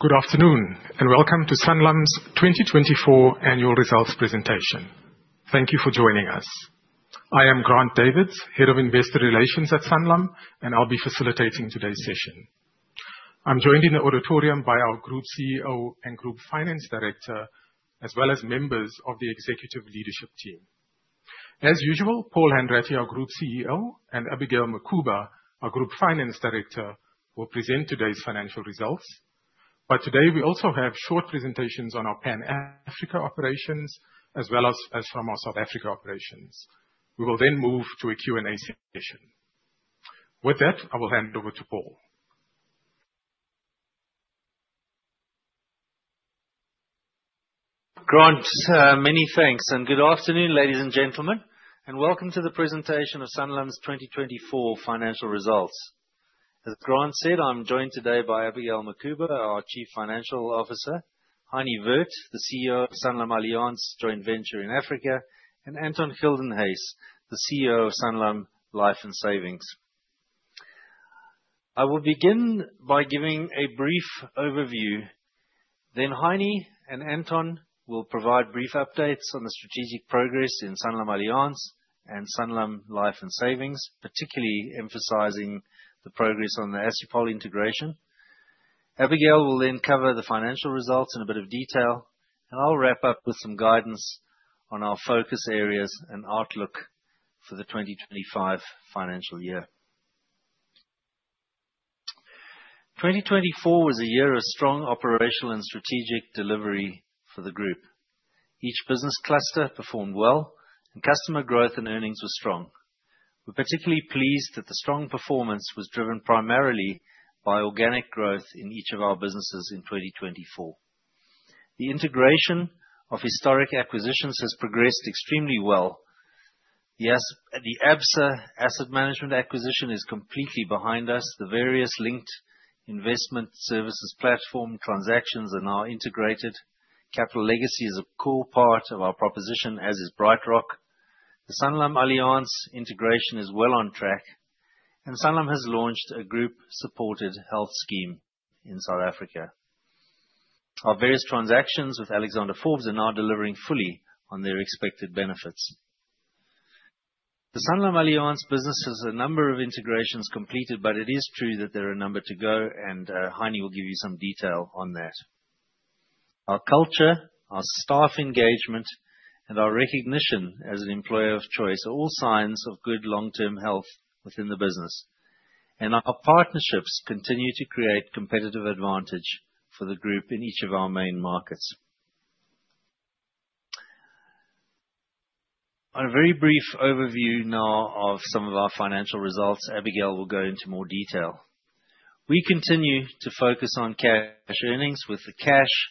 Good afternoon, and welcome to Sanlam's 2024 Annual Results Presentation. Thank you for joining us. I am Grant Davids, Head of Investor Relations at Sanlam, and I'll be facilitating today's session. I'm joined in the auditorium by our Group CEO and Group Finance Director, as well as members of the Executive Leadership Team. As usual, Paul Hanratty, our Group CEO, and Abigail Mukhuba, our Group Finance Director, will present today's financial results. But today, we also have short presentations on our Pan-African operations, as well as from our South African operations. We will then move to a Q&A session. With that, I will hand over to Paul. Grant, many thanks, and good afternoon, ladies and gentlemen, and welcome to the presentation of Sanlam's 2024 financial results. As Grant said, I'm joined today by Abigail Mukhuba, our Chief Financial Officer, Heinie Werth, the CEO of SanlamAllianz Joint Venture in Africa, and Anton Gildenhuys, the CEO of Sanlam Life and Savings. I will begin by giving a brief overview. Then Heinie and Anton will provide brief updates on the strategic progress in SanlamAllianz and Sanlam Life and Savings, particularly emphasizing the progress on the Assupol integration. Abigail will then cover the financial results in a bit of detail, and I'll wrap up with some guidance on our focus areas and outlook for the 2025 financial year. 2024 was a year of strong operational and strategic delivery for the Group. Each business cluster performed well, and customer growth and earnings were strong. We're particularly pleased that the strong performance was driven primarily by organic growth in each of our businesses in 2024. The integration of historic acquisitions has progressed extremely well. The Absa Asset Management acquisition is completely behind us. The various linked investment services platform transactions and our integrated Capital Legacy is a core part of our proposition, as is BrightRock. The SanlamAllianz integration is well on track, and Sanlam has launched a Group-supported health scheme in South Africa. Our various transactions with Alexander Forbes are now delivering fully on their expected benefits. The SanlamAllianz business has a number of integrations completed, but it is true that there are a number to go, and Heinie will give you some detail on that. Our culture, our staff engagement, and our recognition as an employer of choice are all signs of good long-term health within the business. Our partnerships continue to create competitive advantage for the Group in each of our main markets. On a very brief overview now of some of our financial results, Abigail will go into more detail. We continue to focus on cash earnings, with the cash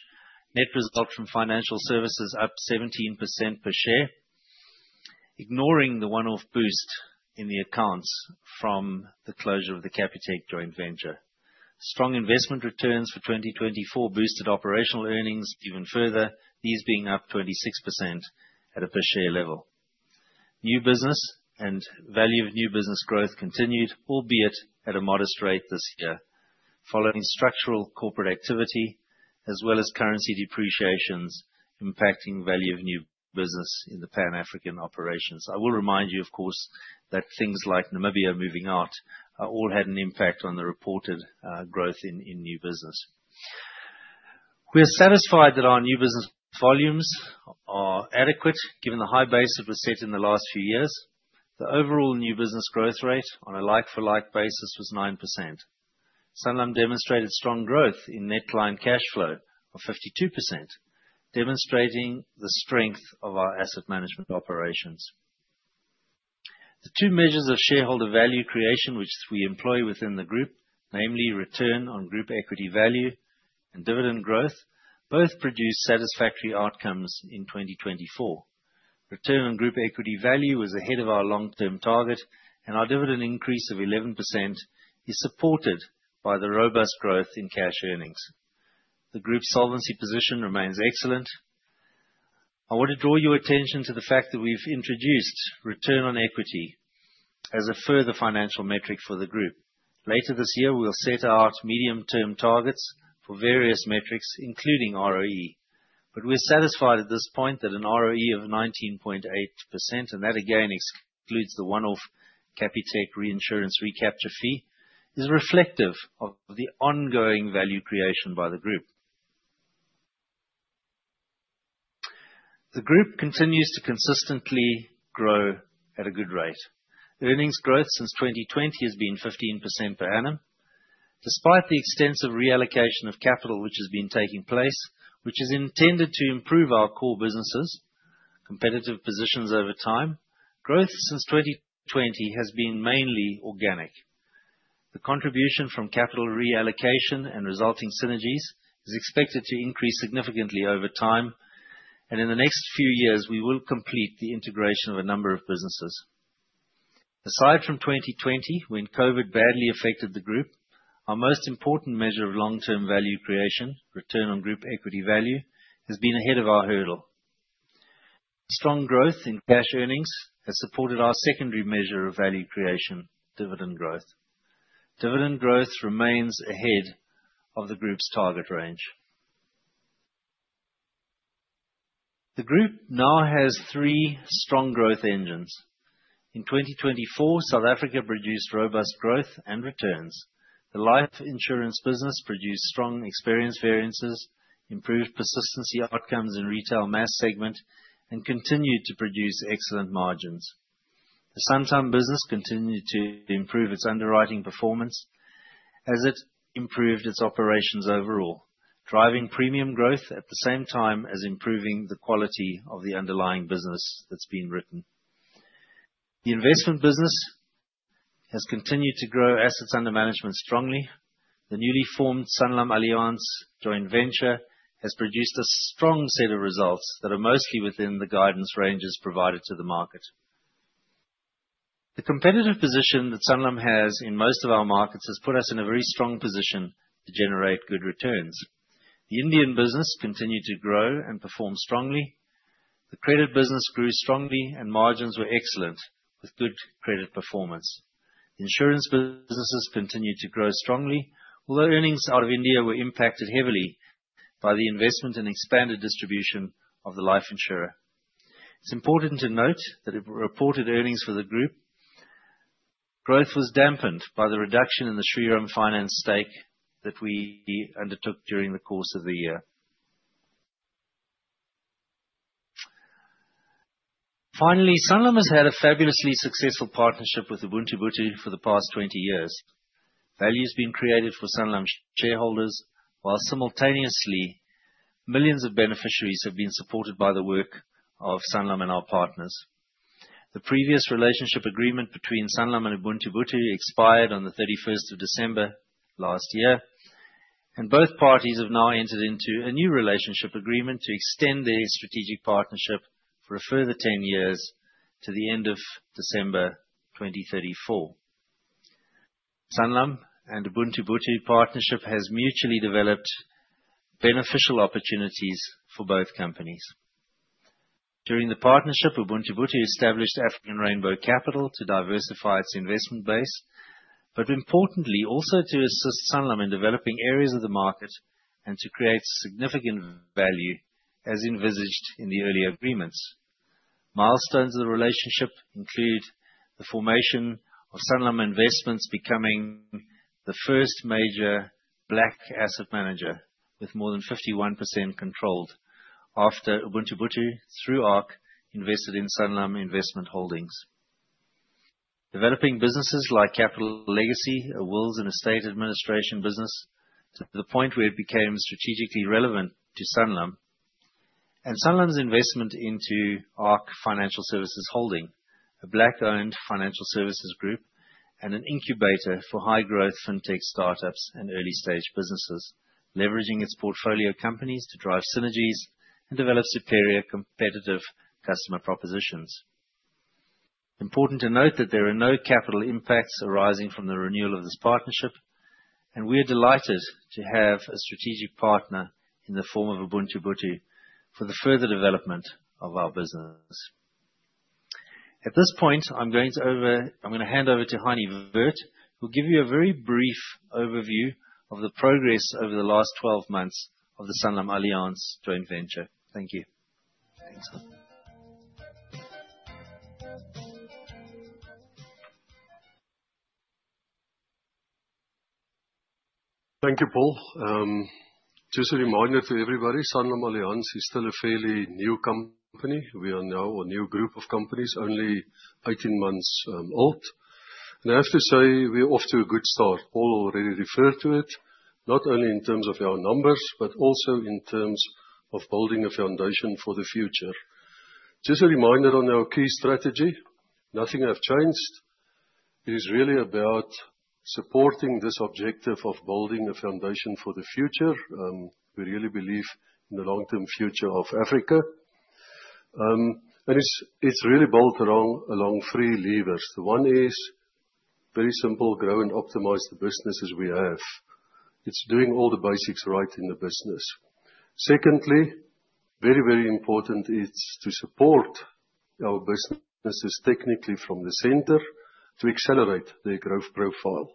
net result from financial services up 17% per share, ignoring the one-off boost in the accounts from the closure of the Capitec Joint Venture. Strong investment returns for 2024 boosted operational earnings even further, these being up 26% at a per-share level. New business and value of new business growth continued, albeit at a modest rate this year, following structural corporate activity, as well as currency depreciations impacting value of new business in the Pan-African operations. I will remind you, of course, that things like Namibia moving out all had an impact on the reported growth in new business. We are satisfied that our new business volumes are adequate, given the high base that was set in the last few years. The overall new business growth rate, on a like-for-like basis, was 9%. Sanlam demonstrated strong growth in net client cash flow of 52%, demonstrating the strength of our asset management operations. The two measures of shareholder value creation, which we employ within the Group, namely Return on Group Equity Value and dividend growth, both produced satisfactory outcomes in 2024. Return on Group Equity Value was ahead of our long-term target, and our dividend increase of 11% is supported by the robust growth in cash earnings. The Group's solvency position remains excellent. I want to draw your attention to the fact that we've introduced return on equity as a further financial metric for the Group. Later this year, we'll set out medium-term targets for various metrics, including ROE. But we're satisfied at this point that an ROE of 19.8%, and that again excludes the one-off Capitec reinsurance recapture fee, is reflective of the ongoing value creation by the Group. The Group continues to consistently grow at a good rate. Earnings growth since 2020 has been 15% per annum. Despite the extensive reallocation of capital which has been taking place, which is intended to improve our core businesses' competitive positions over time, growth since 2020 has been mainly organic. The contribution from capital reallocation and resulting synergies is expected to increase significantly over time, and in the next few years, we will complete the integration of a number of businesses. Aside from 2020, when COVID badly affected the Group, our most important measure of long-term value creation, return on Group equity value, has been ahead of our hurdle. Strong growth in cash earnings has supported our secondary measure of value creation, dividend growth. Dividend growth remains ahead of the Group's target range. The Group now has three strong growth engines. In 2024, South Africa produced robust growth and returns. The life insurance business produced strong experience variances, improved persistency outcomes in Retail Mass segment, and continued to produce excellent margins. The Santam business continued to improve its underwriting performance as it improved its operations overall, driving premium growth at the same time as improving the quality of the underlying business that's been written. The investment business has continued to grow assets under management strongly. The newly formed SanlamAllianz Joint Venture has produced a strong set of results that are mostly within the guidance ranges provided to the market. The competitive position that Sanlam has in most of our markets has put us in a very strong position to generate good returns. The Indian business continued to grow and perform strongly. The credit business grew strongly, and margins were excellent, with good credit performance. Insurance businesses continued to grow strongly, although earnings out of India were impacted heavily by the investment and expanded distribution of the life insurer. It's important to note that in reported earnings for the Group, growth was dampened by the reduction in the Shriram Finance stake that we undertook during the course of the year. Finally, Sanlam has had a fabulously successful partnership with Ubuntu-Botho for the past 20 years. Value has been created for Sanlam shareholders, while simultaneously, millions of beneficiaries have been supported by the work of Sanlam and our partners. The previous relationship agreement between Sanlam and Ubuntu-Botho Investments expired on the 31st of December last year, and both parties have now entered into a new relationship agreement to extend their strategic partnership for a further 10 years to the end of December 2034. Sanlam and Ubuntu-Botho Investments partnership has mutually developed beneficial opportunities for both companies. During the partnership, Ubuntu-Botho Investments established African Rainbow Capital to diversify its investment base, but importantly, also to assist Sanlam in developing areas of the market and to create significant value, as envisaged in the earlier agreements. Milestones of the relationship include the formation of Sanlam Investments becoming the first major Black asset manager with more than 51% controlled, after Ubuntu-Botho Investments through ARC invested in Sanlam Investment Holdings. Developing businesses like Capital Legacy, a wills and estate administration business to the point where it became strategically relevant to Sanlam, and Sanlam's investment into ARC Financial Services Holding, a Black-owned financial services group and an incubator for high-growth fintech startups and early-stage businesses, leveraging its portfolio companies to drive synergies and develop superior competitive customer propositions. Important to note that there are no capital impacts arising from the renewal of this partnership, and we are delighted to have a strategic partner in the form of Ubuntu-Botho Investments for the further development of our business. At this point, I'm going to hand over to Heinie Werth, who will give you a very brief overview of the progress over the last 12 months of the SanlamAllianz joint venture. Thank you. Thanks. Thank you, Paul. Just a reminder to everybody, SanlamAllianz is still a fairly new company. We are now a new group of companies, only 18 months old. I have to say we're off to a good start. Paul already referred to it, not only in terms of our numbers, but also in terms of building a foundation for the future. Just a reminder on our key strategy. Nothing has changed. It is really about supporting this objective of building a foundation for the future. We really believe in the long-term future of Africa. It's really built along three levers. The one is very simple: grow and optimize the businesses we have. It's doing all the basics right in the business. Secondly, very, very important, it's to support our businesses technically from the center to accelerate their growth profile.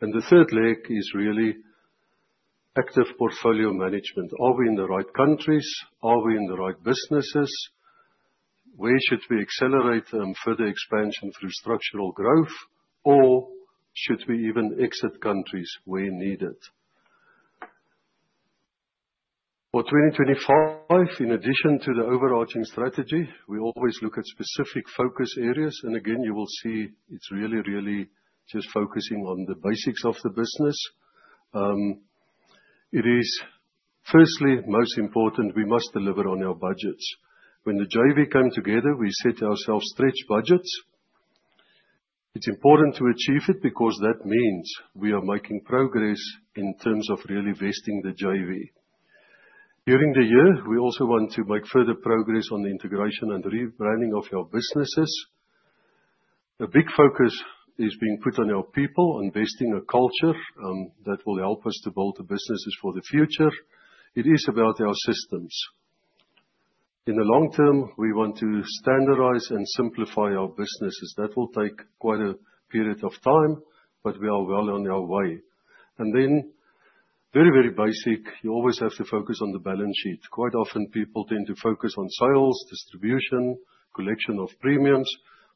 The third leg is really active portfolio management. Are we in the right countries? Are we in the right businesses? Where should we accelerate further expansion through structural growth, or should we even exit countries where needed? For 2025, in addition to the overarching strategy, we always look at specific focus areas. And again, you will see it's really, really just focusing on the basics of the business. It is, firstly, most important, we must deliver on our budgets. When the JV came together, we set ourselves stretched budgets. It's important to achieve it because that means we are making progress in terms of really vesting the JV. During the year, we also want to make further progress on the integration and rebranding of our businesses. A big focus is being put on our people, investing a culture that will help us to build the businesses for the future. It is about our systems. In the long term, we want to standardize and simplify our businesses. That will take quite a period of time, but we are well on our way. And then, very, very basic, you always have to focus on the balance sheet. Quite often, people tend to focus on sales, distribution, collection of premiums,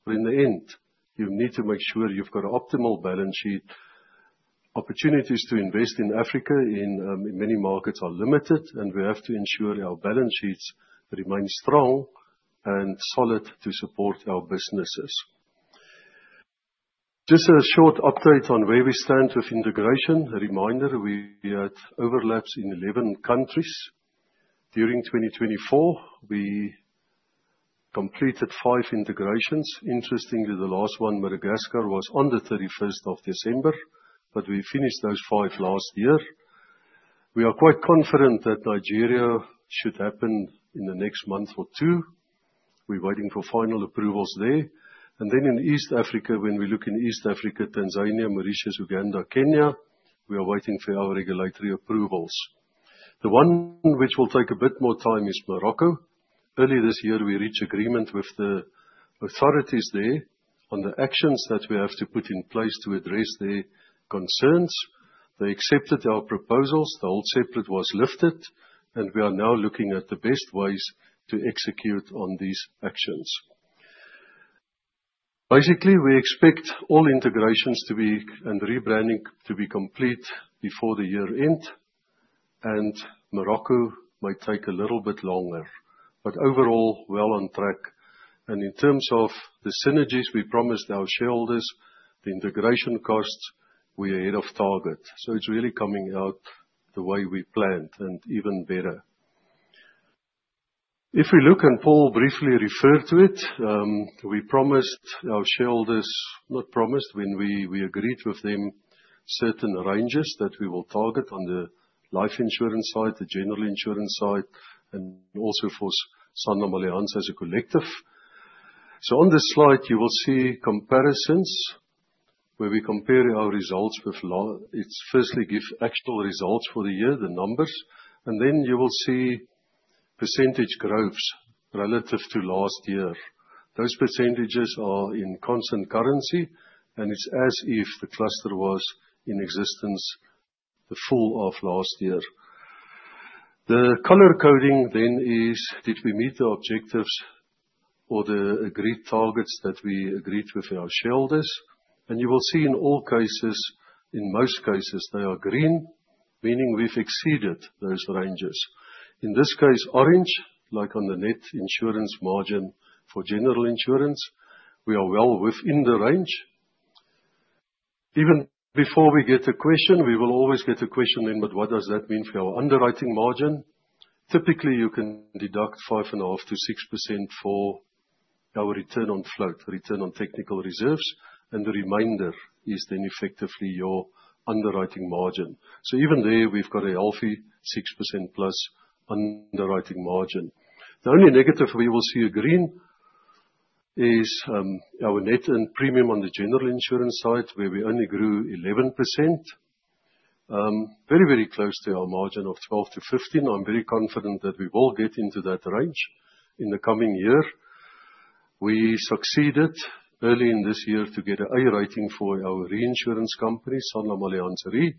but in the end, you need to make sure you've got an optimal balance sheet. Opportunities to invest in Africa in many markets are limited, and we have to ensure our balance sheets remain strong and solid to support our businesses. Just a short update on where we stand with integration. A reminder, we had overlaps in 11 countries. During 2024, we completed five integrations. Interestingly, the last one, Madagascar, was on the 31st of December, but we finished those five last year. We are quite confident that Nigeria should happen in the next month or two. We're waiting for final approvals there. Then in East Africa, when we look in East Africa, Tanzania, Mauritius, Uganda, Kenya, we are waiting for our regulatory approvals. The one which will take a bit more time is Morocco. Earlier this year, we reached agreement with the authorities there on the actions that we have to put in place to address their concerns. They accepted our proposals. The suspension was lifted, and we are now looking at the best ways to execute on these actions. Basically, we expect all integrations and rebranding to be complete before the year end, and Morocco might take a little bit longer, but overall, well on track. In terms of the synergies we promised our shareholders, the integration costs, we are ahead of target. It's really coming out the way we planned and even better. If we look and Paul briefly referred to it, we promised our shareholders, not promised, when we agreed with them, certain ranges that we will target on the life insurance side, the general insurance side, and also for SanlamAllianz as a collective. So on this slide, you will see comparisons where we compare our results with, it's firstly give actual results for the year, the numbers, and then you will see percentage growth relative to last year. Those percentages are in constant currency, and it's as if the cluster was in existence the full of last year. The color coding then is, did we meet the objectives or the agreed targets that we agreed with our shareholders? And you will see in all cases, in most cases, they are green, meaning we've exceeded those ranges. In this case, orange, like on the net insurance margin for general insurance, we are well within the range. Even before we get a question, we will always get a question in, but what does that mean for our underwriting margin? Typically, you can deduct 5.5%-6% for our return on float, return on technical reserves, and the remainder is then effectively your underwriting margin. So even there, we've got a healthy 6% plus underwriting margin. The only negative we will see green is our net earned premium on the general insurance side, where we only grew 11%, very, very close to our margin of 12%-15%. I'm very confident that we will get into that range in the coming year. We succeeded early in this year to get an A rating for our reinsurance company, SanlamAllianz Re,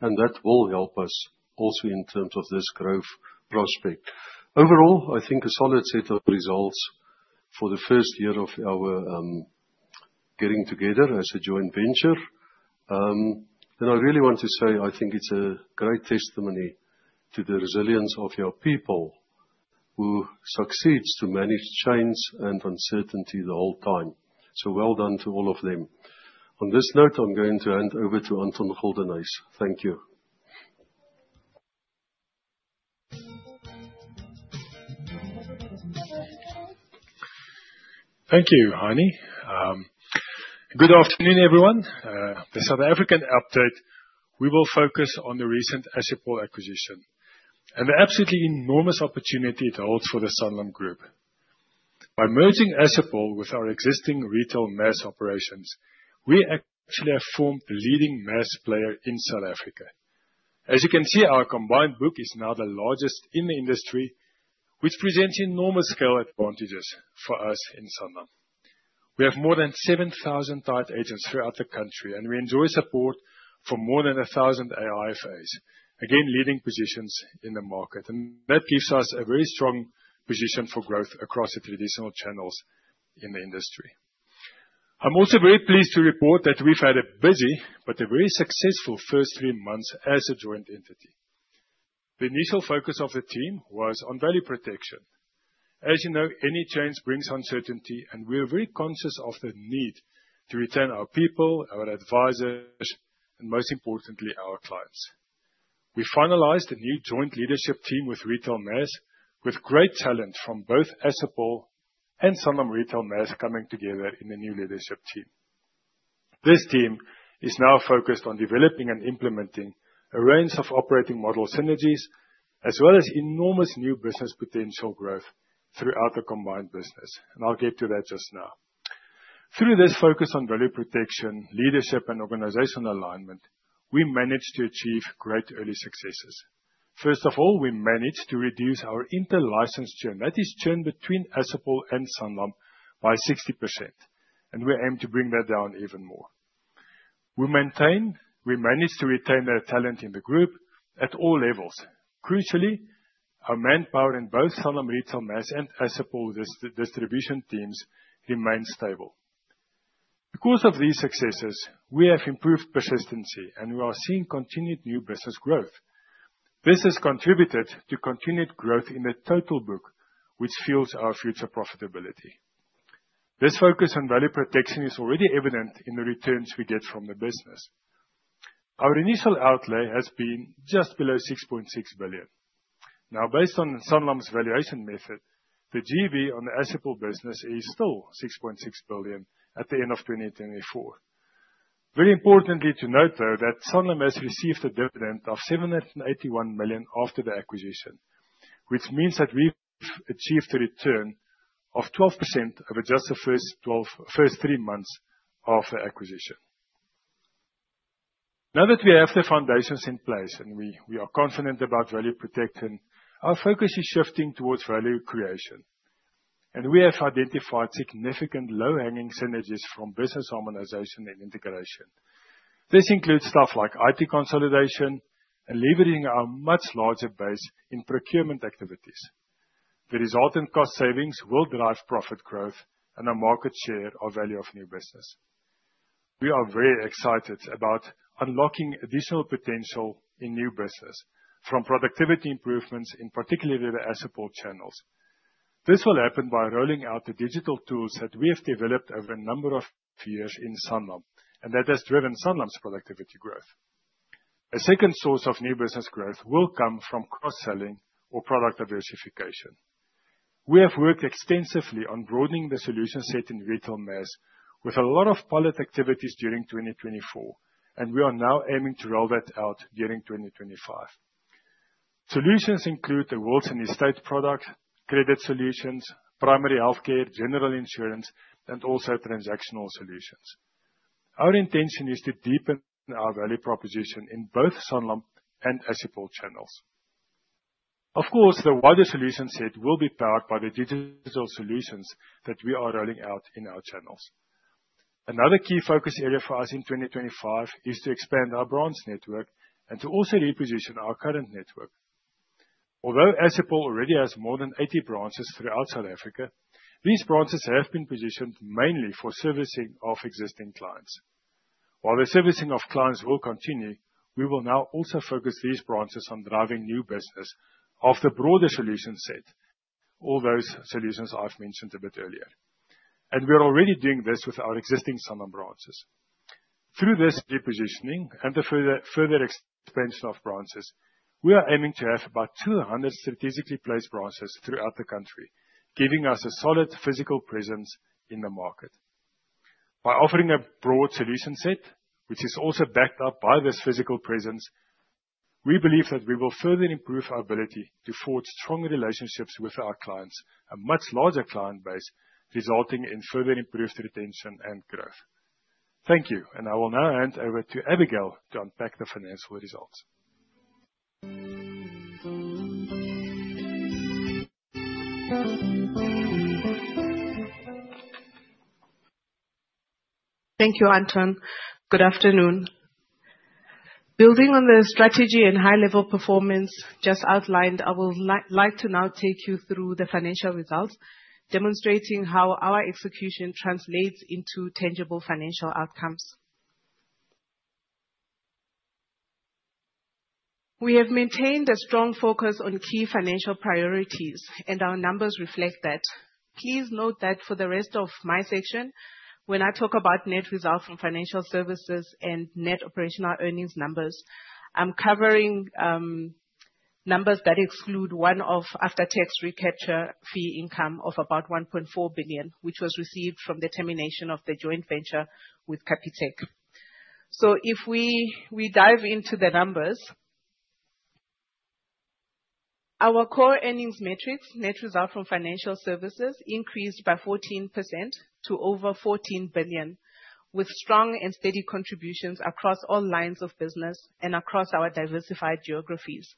and that will help us also in terms of this growth prospect. Overall, I think a solid set of results for the first year of our getting together as a joint venture. And I really want to say I think it's a great testimony to the resilience of our people who succeed to manage change and uncertainty the whole time. So well done to all of them. On this note, I'm going to hand over to Anton Gildenhuys. Thank you. Thank you, Heinie. Good afternoon, everyone. The South African update, we will focus on the recent Assupol acquisition and the absolutely enormous opportunity it holds for the Sanlam Group. By merging Assupol with our existing Retail Mass operations, we actually have formed the leading mass player in South Africa. As you can see, our combined book is now the largest in the industry, which presents enormous scale advantages for us in Sanlam. We have more than 7,000 tied agents throughout the country, and we enjoy support from more than 1,000 AIFAs, again, leading positions in the market. And that gives us a very strong position for growth across the traditional channels in the industry. I'm also very pleased to report that we've had a busy but a very successful first three months as a joint entity. The initial focus of the team was on value protection. As you know, any change brings uncertainty, and we are very conscious of the need to return our people, our advisors, and most importantly, our clients. We finalized a new joint leadership team with Retail Mass, with great talent from both Assupol and Sanlam Retail Mass coming together in the new leadership team. This team is now focused on developing and implementing a range of operating model synergies, as well as enormous new business potential growth throughout the combined business. And I'll get to that just now. Through this focus on value protection, leadership, and organizational alignment, we managed to achieve great early successes. First of all, we managed to reduce our inter-licensed churn, that is, churn between Assupol and Sanlam by 60%, and we aim to bring that down even more. We maintain, we managed to retain our talent in the group at all levels. Crucially, our manpower in both Sanlam Retail Mass and Assupol distribution teams remained stable. Because of these successes, we have improved persistency, and we are seeing continued new business growth. This has contributed to continued growth in the total book, which fuels our future profitability. This focus on value protection is already evident in the returns we get from the business. Our initial outlay has been just below 6.6 billion. Now, based on Sanlam's valuation method, the GEV on the Assupol business is still 6.6 billion at the end of 2024. Very importantly to note, though, that Sanlam has received a dividend of 781 million after the acquisition, which means that we've achieved a return of 12% over just the first three months of the acquisition. Now that we have the foundations in place and we are confident about value protection, our focus is shifting towards value creation. We have identified significant low-hanging synergies from business harmonization and integration. This includes stuff like IP consolidation and leveraging our much larger base in procurement activities. The resultant cost savings will drive profit growth and our market share or value of new business. We are very excited about unlocking additional potential in new business from productivity improvements in particularly the Assupol channels. This will happen by rolling out the digital tools that we have developed over a number of years in Sanlam, and that has driven Sanlam's productivity growth. A second source of new business growth will come from cross-selling or product diversification. We have worked extensively on broadening the solution set in Retail Mass with a lot of pilot activities during 2024, and we are now aiming to roll that out during 2025. Solutions include the wills and estates product, credit solutions, primary healthcare, general insurance, and also transactional solutions. Our intention is to deepen our value proposition in both Sanlam and Assupol channels. Of course, the wider solution set will be powered by the digital solutions that we are rolling out in our channels. Another key focus area for us in 2025 is to expand our branch network and to also reposition our current network. Although Assupol already has more than 80 branches throughout South Africa, these branches have been positioned mainly for servicing of existing clients. While the servicing of clients will continue, we will now also focus these branches on driving new business of the broader solution set, all those solutions I've mentioned a bit earlier, and we're already doing this with our existing Sanlam branches. Through this repositioning and the further expansion of branches, we are aiming to have about 200 strategically placed branches throughout the country, giving us a solid physical presence in the market. By offering a broad solution set, which is also backed up by this physical presence, we believe that we will further improve our ability to forge strong relationships with our clients, a much larger client base, resulting in further improved retention and growth. Thank you, and I will now hand over to Abigail to unpack the financial results. Thank you, Anton. Good afternoon. Building on the strategy and high-level performance just outlined, I would like to now take you through the financial results, demonstrating how our execution translates into tangible financial outcomes. We have maintained a strong focus on key financial priorities, and our numbers reflect that. Please note that for the rest of my section, when I talk about net result from financial services and net operational earnings numbers, I'm covering numbers that exclude one-off after-tax recapture fee income of about 1.4 billion, which was received from the termination of the joint venture with Capitec. So if we dive into the numbers, our core earnings metrics, net result from financial services, increased by 14% to over 14 billion, with strong and steady contributions across all lines of business and across our diversified geographies.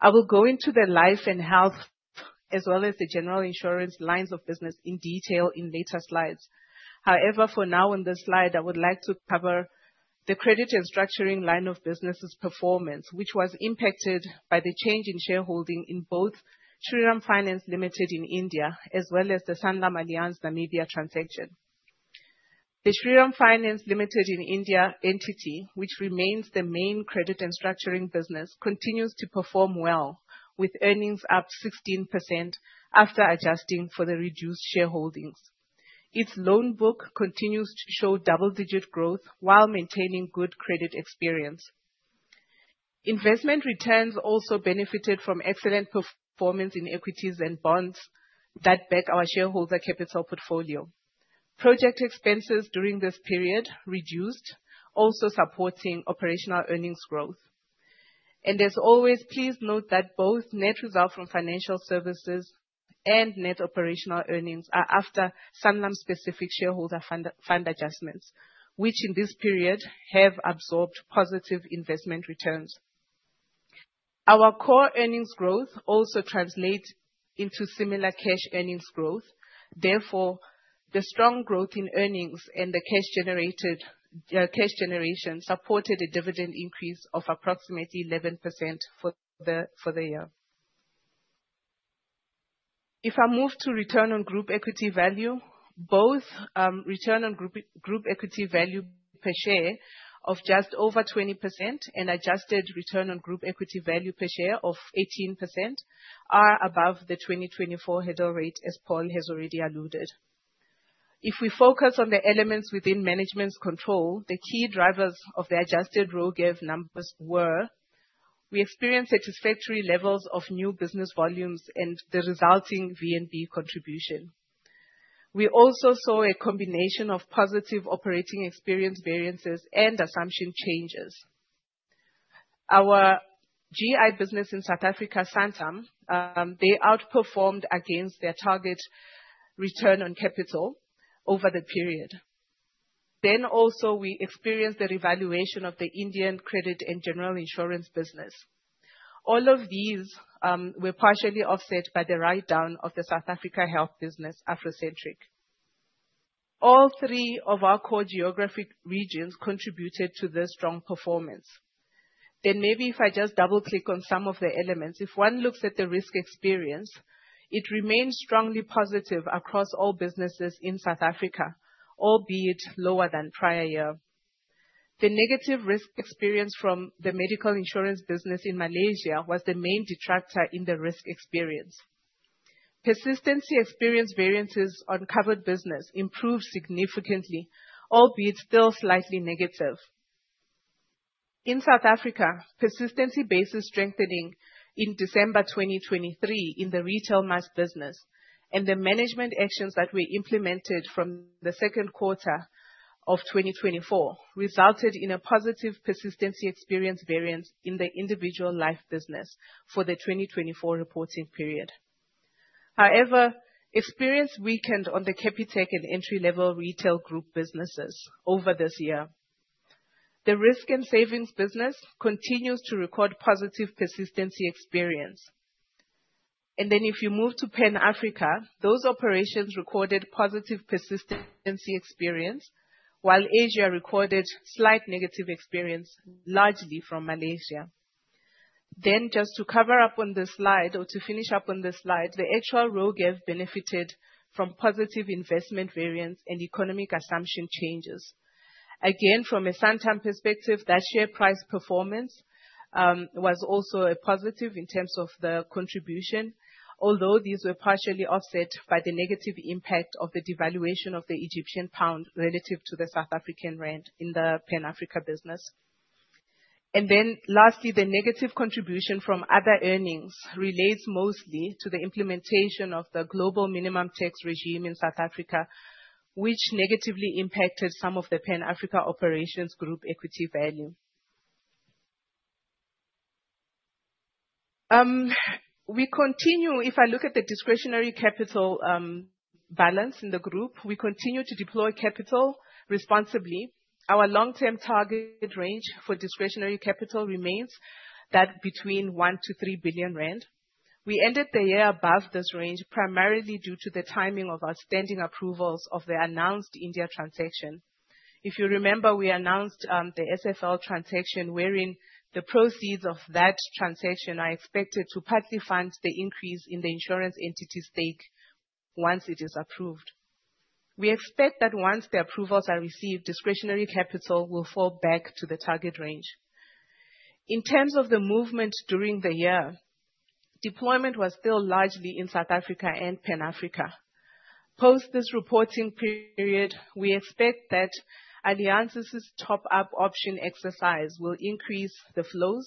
I will go into the life and health, as well as the general insurance lines of business in detail in later slides. However, for now, on this slide, I would like to cover the credit and structuring line of business's performance, which was impacted by the change in shareholding in both Shriram Finance Limited in India, as well as the SanlamAllianz Namibia transaction. The Shriram Finance Limited in India entity, which remains the main credit and structuring business, continues to perform well, with earnings up 16% after adjusting for the reduced shareholdings. Its loan book continues to show double-digit growth while maintaining good credit experience. Investment returns also benefited from excellent performance in equities and bonds that back our shareholder capital portfolio. Project expenses during this period reduced, also supporting operational earnings growth. And as always, please note that both net result from financial services and net operational earnings are after Sanlam-specific shareholder fund adjustments, which in this period have absorbed positive investment returns. Our core earnings growth also translates into similar cash earnings growth. Therefore, the strong growth in earnings and the cash generation supported a dividend increase of approximately 11% for the year. If I move to return on group equity value, both return on group equity value per share of just over 20% and adjusted return on group equity value per share of 18% are above the 2024 target rate as Paul has already alluded. If we focus on the elements within management's control, the key drivers of the adjusted RoGEV numbers were, we experienced satisfactory levels of new business volumes and the resulting VNB contribution. We also saw a combination of positive operating experience variances and assumption changes. Our GI business in South Africa, Santam, they outperformed against their target return on capital over the period. Then also, we experienced the revaluation of the Indian credit and general insurance business. All of these were partially offset by the write-down of the South Africa health business, AfroCentric. All three of our core geographic regions contributed to the strong performance. Then maybe if I just double-click on some of the elements, if one looks at the risk experience, it remains strongly positive across all businesses in South Africa, albeit lower than prior year. The negative risk experience from the medical insurance business in Malaysia was the main detractor in the risk experience. Persistency experience variances on covered business improved significantly, albeit still slightly negative. In South Africa, persistency basis strengthening in December 2023 in the Retail Mass business and the management actions that were implemented from the second quarter of 2024 resulted in a positive persistency experience variance in the individual life business for the 2024 reporting period. However, experience weakened on the Capitec and entry-level retail group businesses over this year. The risk and savings business continues to record positive persistency experience, and then if you move to Pan-Africa, those operations recorded positive persistency experience, while Asia recorded slight negative experience, largely from Malaysia, then just to cover up on the slide or to finish up on the slide, the actual RoGEV benefited from positive investment variance and economic assumption changes. Again, from a Santam perspective, that share price performance was also positive in terms of the contribution, although these were partially offset by the negative impact of the devaluation of the Egyptian pound relative to the South African rand in the Pan-African business. Then lastly, the negative contribution from other earnings relates mostly to the implementation of the Global Minimum Tax regime in South Africa, which negatively impacted some of the Pan-African operations group equity value. We continue, if I look at the discretionary capital balance in the group, we continue to deploy capital responsibly. Our long-term target range for discretionary capital remains that between 1 billion to 3 billion rand. We ended the year above this range primarily due to the timing of our standing approvals of the announced India transaction. If you remember, we announced the SFL transaction wherein the proceeds of that transaction are expected to partly fund the increase in the insurance entity's stake once it is approved. We expect that once the approvals are received, discretionary capital will fall back to the target range. In terms of the movement during the year, deployment was still largely in South Africa and Pan-Africa. Post this reporting period, we expect that SanlamAllianz's top-up option exercise will increase the flows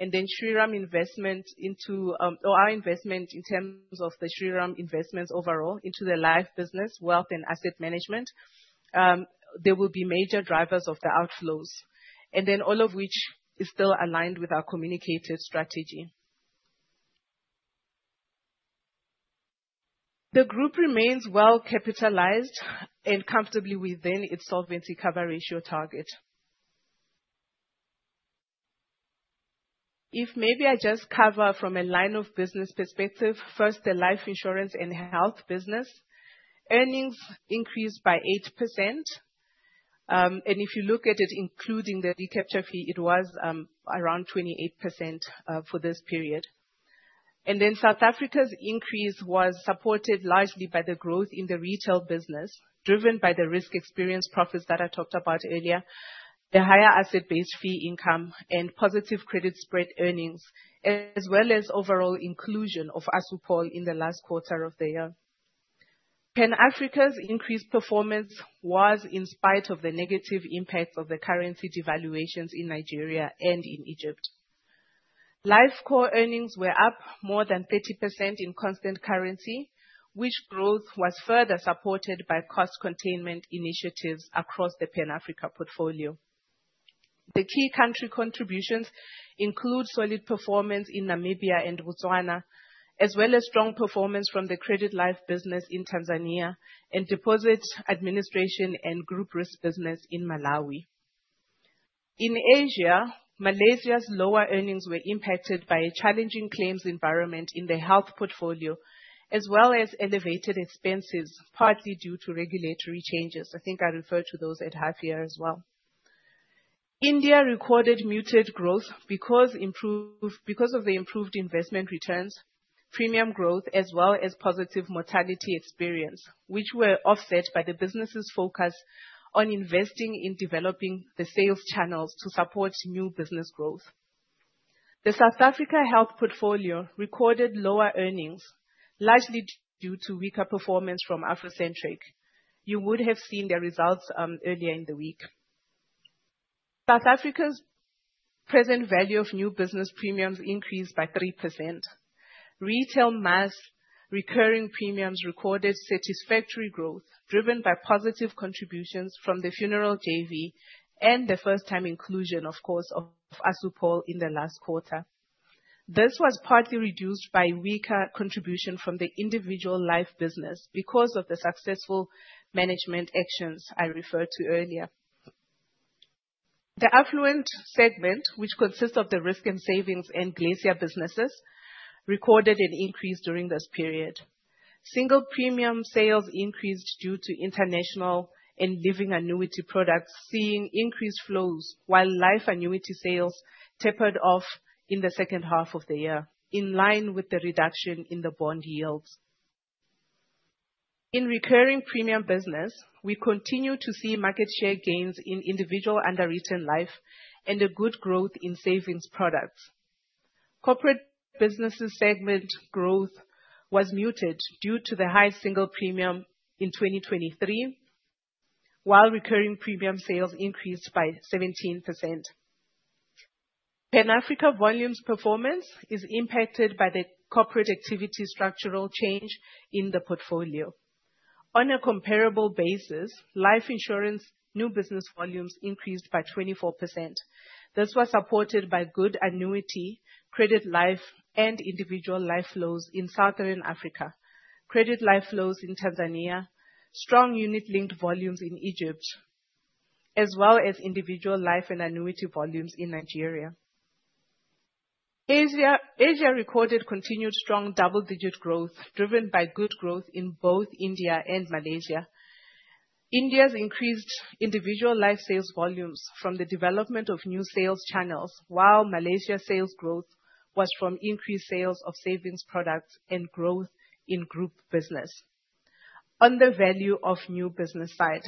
and then Shriram investment into our investment in terms of the Shriram investments overall into the life business, wealth, and asset management. There will be major drivers of the outflows, and then all of which is still aligned with our communicated strategy. The group remains well capitalized and comfortably within its solvency cover ratio target. If maybe I just cover from a line of business perspective, first, the life insurance and health business, earnings increased by 8%. And if you look at it, including the recapture fee, it was around 28% for this period. And then South Africa's increase was supported largely by the growth in the retail business, driven by the risk experience profits that I talked about earlier, the higher asset-based fee income, and positive credit spread earnings, as well as overall inclusion of Assupol in the last quarter of the year. Pan-African's increased performance was in spite of the negative impacts of the currency devaluations in Nigeria and in Egypt. Life core earnings were up more than 30% in constant currency, which growth was further supported by cost containment initiatives across the Pan-African portfolio. The key country contributions include solid performance in Namibia and Botswana, as well as strong performance from the credit life business in Tanzania and deposit administration and group risk business in Malawi. In Asia, Malaysia's lower earnings were impacted by a challenging claims environment in the health portfolio, as well as elevated expenses, partly due to regulatory changes. I think I referred to those at half year as well. India recorded muted growth because of the improved investment returns, premium growth, as well as positive mortality experience, which were offset by the business's focus on investing in developing the sales channels to support new business growth. The South Africa health portfolio recorded lower earnings, largely due to weaker performance from AfroCentric. You would have seen the results earlier in the week. South Africa's present value of new business premiums increased by 3%. Retail Mass recurring premiums recorded satisfactory growth, driven by positive contributions from the funeral JV and the first-time inclusion, of course, of Assupol in the last quarter. This was partly reduced by weaker contribution from the individual life business because of the successful management actions I referred to earlier. The Affluent segment, which consists of the risk and savings and Glacier businesses, recorded an increase during this period. Single premium sales increased due to international and living annuity products seeing increased flows, while life annuity sales tapered off in the second half of the year, in line with the reduction in the bond yields. In recurring premium business, we continue to see market share gains in individual underwritten life and a good growth in savings products. Corporate businesses segment growth was muted due to the high single premium in 2023, while recurring premium sales increased by 17%. Pan-African volumes performance is impacted by the Corporate activity structural change in the portfolio. On a comparable basis, life insurance new business volumes increased by 24%. This was supported by good annuity, credit life, and individual life flows in Southern Africa, credit life flows in Tanzania, strong unit-linked volumes in Egypt, as well as individual life and annuity volumes in Nigeria. Asia recorded continued strong double-digit growth, driven by good growth in both India and Malaysia. India's increased individual life sales volumes from the development of new sales channels, while Malaysia's sales growth was from increased sales of savings products and growth in group business. On the value of new business side,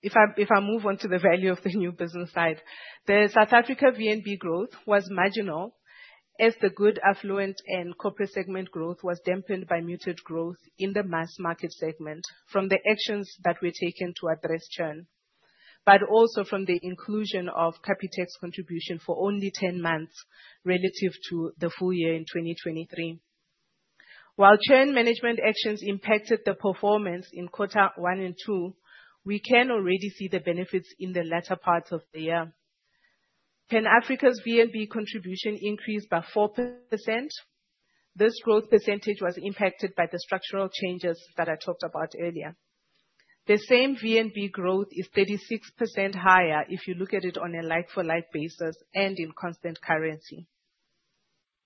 if I move on to the value of the new business side, the South Africa VNB growth was marginal, as the good Affluent and Corporate segment growth was dampened by muted growth in the mass market segment from the actions that were taken to address churn, but also from the inclusion of Capitec's contribution for only 10 months relative to the full year in 2023. While churn management actions impacted the performance in quarter one and two, we can already see the benefits in the latter parts of the year. Pan-African's VNB contribution increased by 4%. This growth percentage was impacted by the structural changes that I talked about earlier. The same VNB growth is 36% higher if you look at it on a like-for-like basis and in constant currency.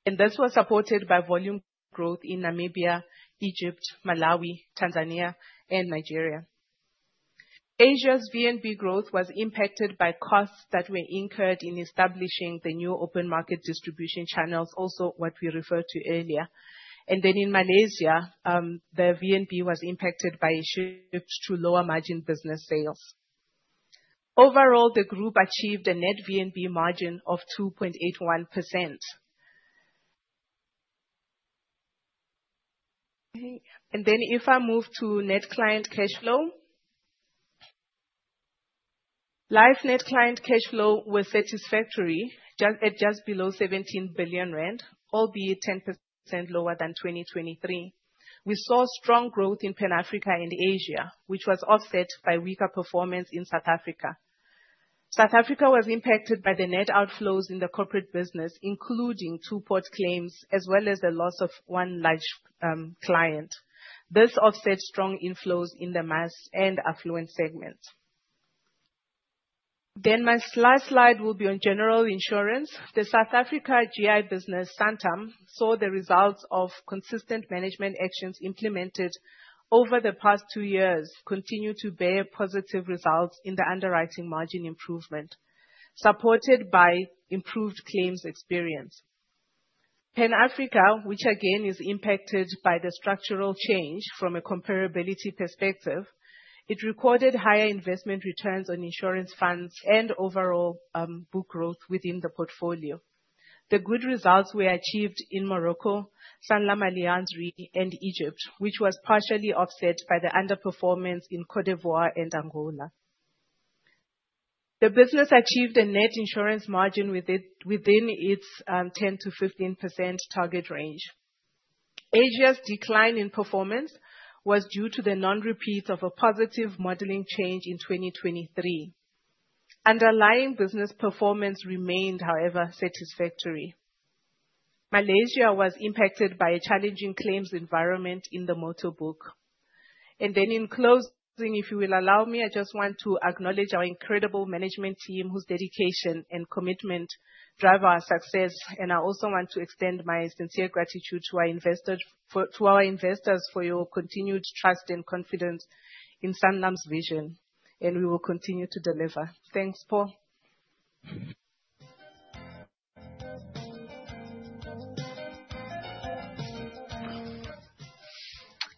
This was supported by volume growth in Namibia, Egypt, Malawi, Tanzania, and Nigeria. Asia's VNB growth was impacted by costs that were incurred in establishing the new open market distribution channels, also what we referred to earlier. Then in Malaysia, the VNB was impacted by shifts to lower margin business sales. Overall, the group achieved a net VNB margin of 2.81%. Then if I move to net client cash flow, Life net client cash flow was satisfactory at just below 17 billion rand, albeit 10% lower than 2023. We saw strong growth in Pan-African and Asia, which was offset by weaker performance in South Africa. South Africa was impacted by the net outflows in the Corporate business, including Two-Pot claims, as well as the loss of one large client. This offset strong inflows in the mass and Affluent segment. Then my last slide will be on general insurance. The South Africa GI business, Santam, saw the results of consistent management actions implemented over the past two years continue to bear positive results in the underwriting margin improvement, supported by improved claims experience. Pan-African, which again is impacted by the structural change from a comparability perspective, recorded higher investment returns on insurance funds and overall book growth within the portfolio. The good results were achieved in Morocco, SanlamAllianz, and Egypt, which was partially offset by the underperformance in Côte d'Ivoire and Angola. The business achieved a net insurance margin within its 10%-15% target range. Asia's decline in performance was due to the non-repeat of a positive modeling change in 2023. Underlying business performance remained, however, satisfactory. Malaysia was impacted by a challenging claims environment in the motorbook. And then in closing, if you will allow me, I just want to acknowledge our incredible management team whose dedication and commitment drive our success. And I also want to extend my sincere gratitude to our investors for your continued trust and confidence in Sanlam's vision. And we will continue to deliver. Thanks, Paul.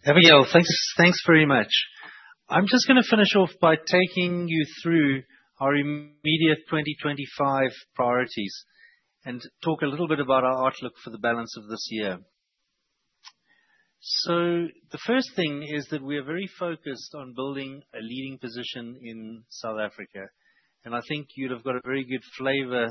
Abigail, thanks very much. I'm just going to finish off by taking you through our immediate 2025 priorities and talk a little bit about our outlook for the balance of this year. So the first thing is that we are very focused on building a leading position in South Africa. And I think you'd have got a very good flavor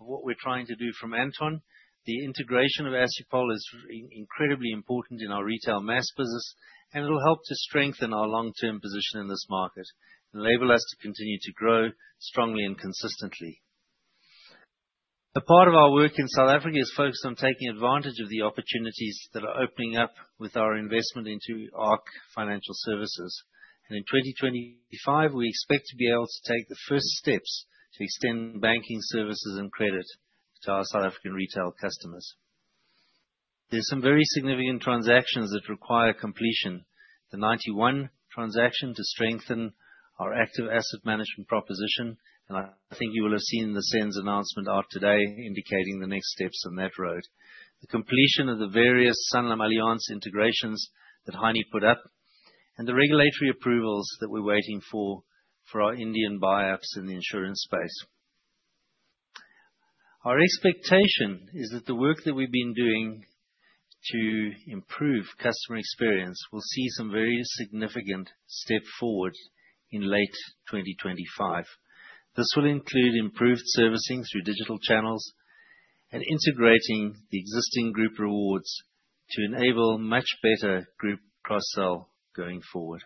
of what we're trying to do from Anton. The integration of Assupol is incredibly important in our Retail Mass business, and it'll help to strengthen our long-term position in this market and enable us to continue to grow strongly and consistently. A part of our work in South Africa is focused on taking advantage of the opportunities that are opening up with our investment into ARC financial services. And in 2025, we expect to be able to take the first steps to extend banking services and credit to our South African retail customers. There are some very significant transactions that require completion, the Ninety One transaction to strengthen our active asset management proposition. I think you will have seen the SENS announcement out today indicating the next steps on that road, the completion of the various SanlamAllianz integrations that Heinie put up, and the regulatory approvals that we're waiting for our Indian buyouts in the insurance space. Our expectation is that the work that we've been doing to improve customer experience will see some very significant steps forward in late 2025. This will include improved servicing through digital channels and integrating the existing group rewards to enable much better group cross-sell going forward.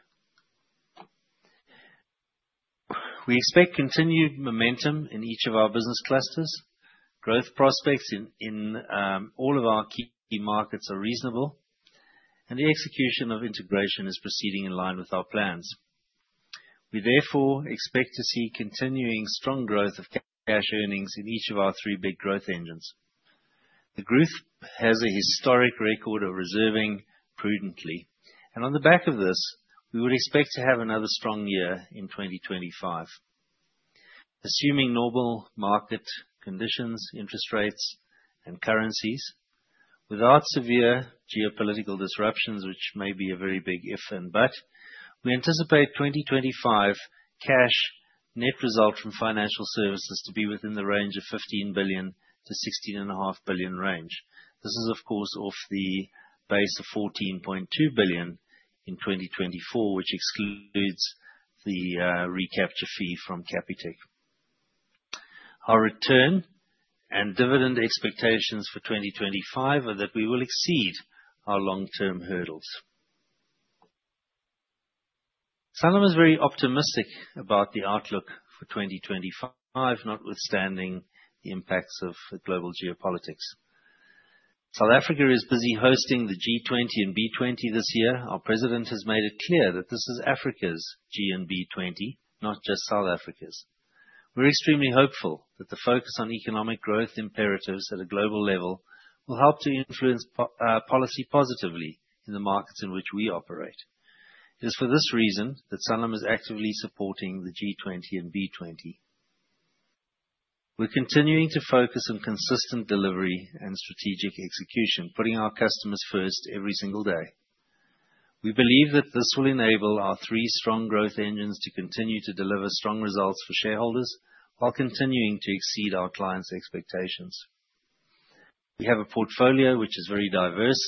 We expect continued momentum in each of our business clusters. Growth prospects in all of our key markets are reasonable, and the execution of integration is proceeding in line with our plans. We therefore expect to see continuing strong growth of cash earnings in each of our three big growth engines. The growth has a historic record of reserving prudently, and on the back of this, we would expect to have another strong year in 2025, assuming normal market conditions, interest rates, and currencies, without severe geopolitical disruptions, which may be a very big if and but. We anticipate 2025 cash net result from financial services to be within the range of 15 billion-16.5 billion range. This is, of course, off the base of 14.2 billion in 2024, which excludes the recapture fee from Capitec. Our return and dividend expectations for 2025 are that we will exceed our long-term hurdles. Sanlam is very optimistic about the outlook for 2025, notwithstanding the impacts of global geopolitics. South Africa is busy hosting the G20 and B20 this year. Our president has made it clear that this is Africa's G and B20, not just South Africa's. We're extremely hopeful that the focus on economic growth imperatives at a global level will help to influence policy positively in the markets in which we operate. It is for this reason that Sanlam is actively supporting the G20 and B20. We're continuing to focus on consistent delivery and strategic execution, putting our customers first every single day. We believe that this will enable our three strong growth engines to continue to deliver strong results for shareholders while continuing to exceed our clients' expectations. We have a portfolio which is very diverse.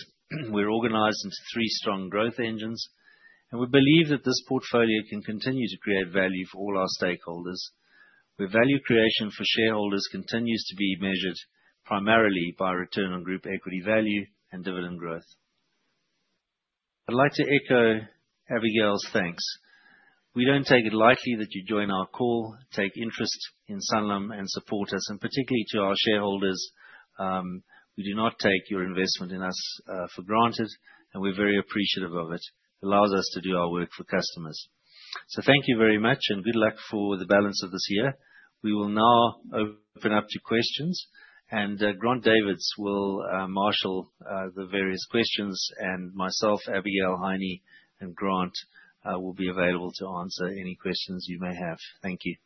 We're organized into three strong growth engines, and we believe that this portfolio can continue to create value for all our stakeholders, where value creation for shareholders continues to be measured primarily by return on group equity value and dividend growth. I'd like to echo Abigail's thanks. We don't take it lightly that you join our call, take interest in Sanlam, and support us, and particularly to our shareholders. We do not take your investment in us for granted, and we're very appreciative of it. It allows us to do our work for customers. So, thank you very much, and good luck for the balance of this year. We will now open up to questions, and Grant Davids will marshal the various questions, and myself, Abigail, Heinie, and Grant will be available to answer any questions you may have. Thank you.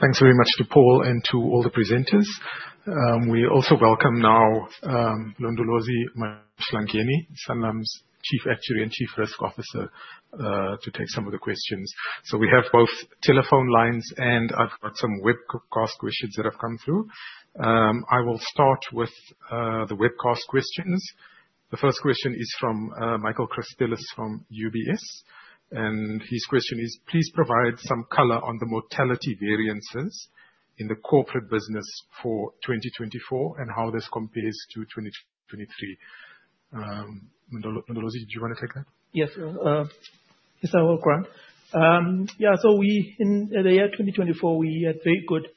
Thanks very much to Paul and to all the presenters. We also welcome now Mlondolozi Mahlangeni, Sanlam's Chief Actuary and Chief Risk Officer, to take some of the questions. So we have both telephone lines, and I've got some webcast questions that have come through. I will start with the webcast questions. The first question is from Michael Christelis from UBS. And his question is, please provide some color on the mortality variances in the Corporate business for 2024 and how this compares to 2023. Mlondolozi, did you want to take that? Yes, it's our Grant. Yeah, so in the year 2024, we had very good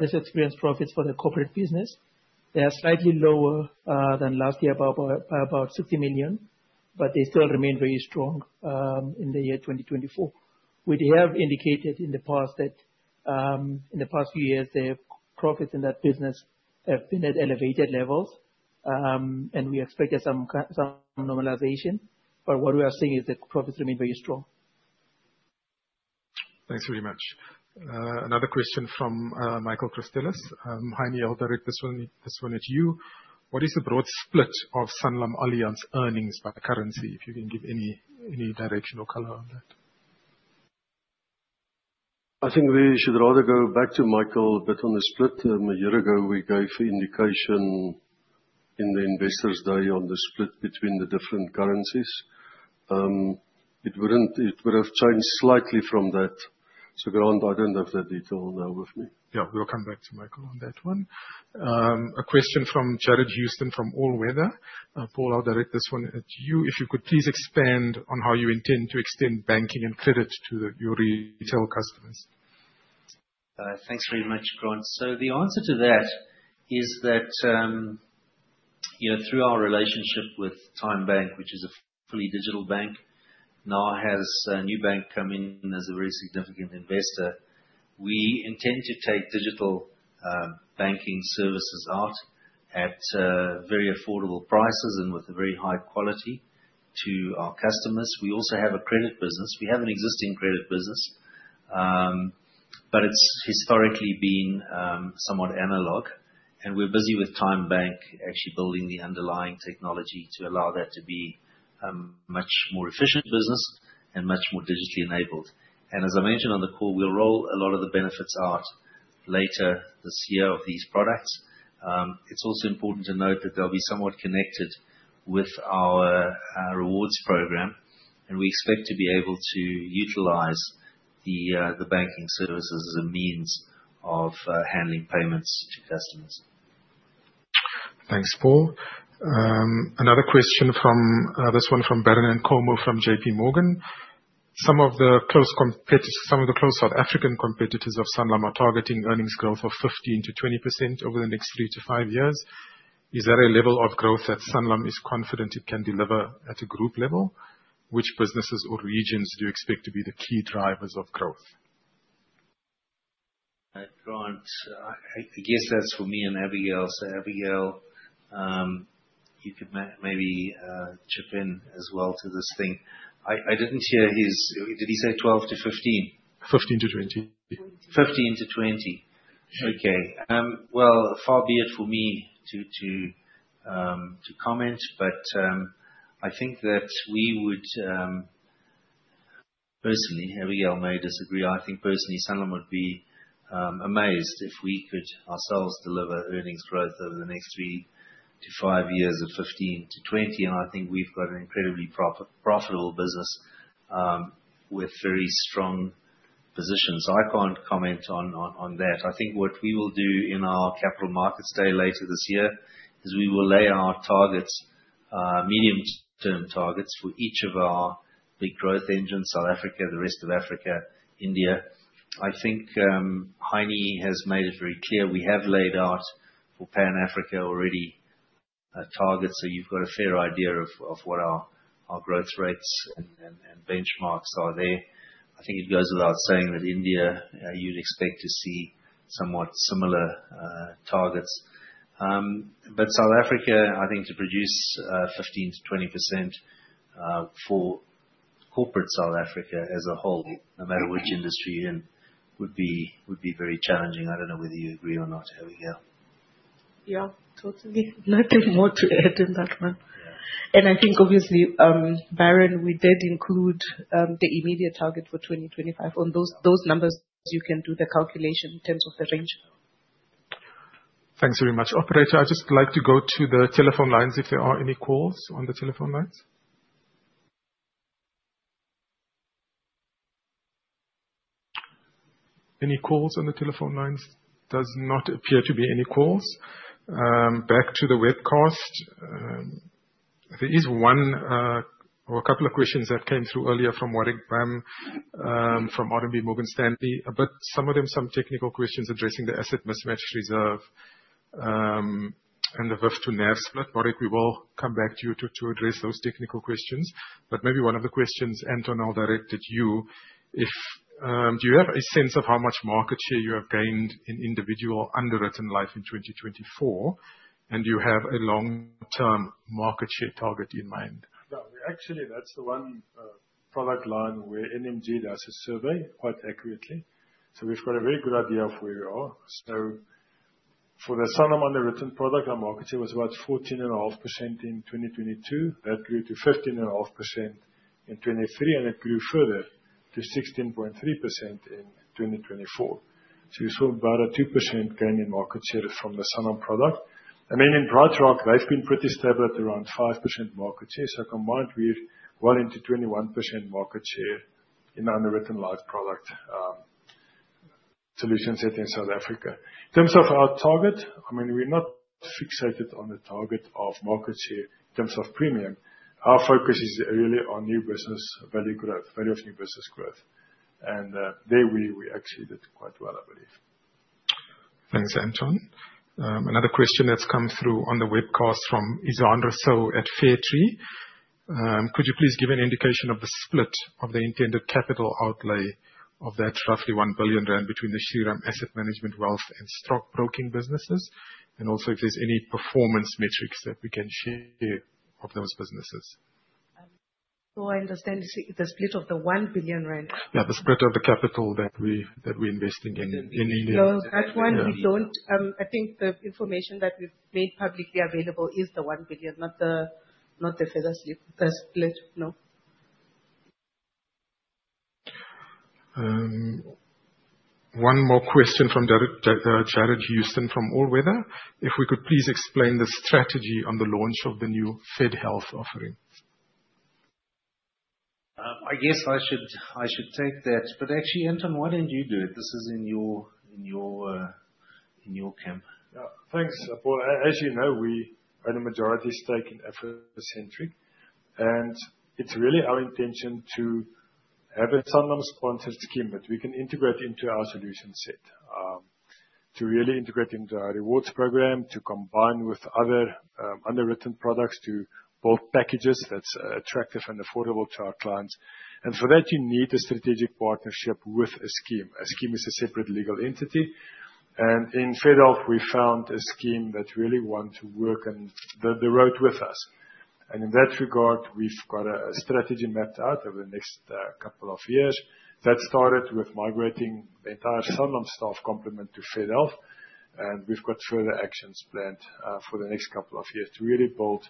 risk experience profits for the Corporate business. They are slightly lower than last year, by about 60 million, but they still remain very strong in the year 2024. We have indicated in the past that in the past few years, the profits in that business have been at elevated levels, and we expected some normalization. But what we are seeing is that profits remain very strong. Thanks very much. Another question from Michael Christelis. Heinie, I'll direct this one at you. What is the broad split of SanlamAllianz earnings by currency? If you can give any direction or color on that. I think we should rather go back to Michael a bit on the split. A year ago, we gave indication in the Investors' Day on the split between the different currencies. It would have changed slightly from that. So Grant, I don't have that detail now with me. Yeah, we'll come back to Michael on that one. A question from Jarred Houston from All Weather. Paul, I'll direct this one at you. If you could please expand on how you intend to extend banking and credit to your retail customers. Thanks very much, Grant. So the answer to that is that through our relationship with TymeBank, which is a fully digital bank, now has a new bank come in as a very significant investor. We intend to take digital banking services out at very affordable prices and with very high quality to our customers. We also have a credit business. We have an existing credit business, but it's historically been somewhat analog. And we're busy with TymeBank actually building the underlying technology to allow that to be a much more efficient business and much more digitally enabled. And as I mentioned on the call, we'll roll a lot of the benefits out later this year of these products. It's also important to note that they'll be somewhat connected with our rewards program, and we expect to be able to utilize the banking services as a means of handling payments to customers. Thanks, Paul. Another question from this one from Baron Nkomo from J.P. Morgan. Some of the close South African competitors of Sanlam are targeting earnings growth of 15%-20% over the next three to five years. Is there a level of growth that Sanlam is confident it can deliver at a group level? Which businesses or regions do you expect to be the key drivers of growth? Grant, I guess that's for me and Abigail. So Abigail, you could maybe chip in as well to this thing. I didn't hear his. Did he say 12-15? 15%-20%. 15%-20%. Okay. Well, far be it for me to comment, but I think that we would personally, Abigail may disagree. I think personally, Sanlam would be amazed if we could ourselves deliver earnings growth over the next three to five years of 15%-20%. And I think we've got an incredibly profitable business with very strong positions. I can't comment on that. I think what we will do in our capital markets day later this year is we will lay out targets, medium-term targets for each of our big growth engines, South Africa, the rest of Africa, India. I think Heinie has made it very clear. We have laid out for Pan-African already targets, so you've got a fair idea of what our growth rates and benchmarks are there. I think it goes without saying that India, you'd expect to see somewhat similar targets. But South Africa, I think to produce 15%-20% for Corporate South Africa as a whole, no matter which industry you're in, would be very challenging. I don't know whether you agree or not, Abigail. Yeah, totally. Nothing more to add in that one. And I think obviously, Baron, we did include the immediate target for 2025 on those numbers, you can do the calculation in terms of the range. Thanks very much. Operator, I'd just like to go to the telephone lines if there are any calls on the telephone lines. Any calls on the telephone lines? Does not appear to be any calls. Back to the webcast. There is one or a couple of questions that came through earlier from Warwick Bam, from RMB Morgan Stanley, but some of them some technical questions addressing the asset mismatch reserve and the VIF to NAV split. Warwick, we will come back to you to address those technical questions. But maybe one of the questions, Anton, I'll direct at you. Do you have a sense of how much market share you have gained in individual underwritten life in 2024, and do you have a long-term market share target in mind? Actually, that's the one product line where NMG does a survey quite accurately. So we've got a very good idea of where we are. So for the Sanlam underwritten product, our market share was about 14.5% in 2022. That grew to 15.5% in 2023, and it grew further to 16.3% in 2024. So you saw about a 2% gain in market share from the Sanlam product. I mean, in BrightRock, they've been pretty stable at around 5% market share. So combined, we're well into 21% market share in underwritten life product solutions set in South Africa. In terms of our target, I mean, we're not fixated on the target of market share in terms of premium. Our focus is really on new business value growth, value of new business growth. And there we exceeded quite well, I believe. Thanks, Anton, another question that's come through on the webcast from Isaac Coetzee at Fairtree. Could you please give an indication of the split of the intended capital outlay of that roughly 1 billion rand between the Shriram Asset Management Wealth and stockbroking businesses? And also if there's any performance metrics that we can share of those businesses. So I understand the split of the 1 billion rand. Yeah, the split of the capital that we're investing in India. No, that one we don't. I think the information that we've made publicly available is the 1 billion, not the fair split. No. One more question from Jarred Houston from All Weather. If we could please explain the strategy on the launch of the new Fedhealth offering. I guess I should take that. But actually, Anton, why didn't you do it? This is in your camp. Thanks, Paul, As you know, we are in a majority stake in AfroCentric, and it's really our intention to have a Sanlam-sponsored scheme that we can integrate into our solution set to really integrate into our rewards program, to combine with other underwritten products to build packages that's attractive and affordable to our clients, and for that, you need a strategic partnership with a scheme. A scheme is a separate legal entity, and in Fedhealth, we found a scheme that really want to work on the road with us, and in that regard, we've got a strategy mapped out over the next couple of years that started with migrating the entire Sanlam staff complement to Fedhealth, and we've got further actions planned for the next couple of years to really build